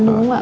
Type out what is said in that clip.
đúng không ạ